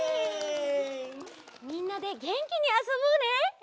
みんなでげんきにあそぼうね！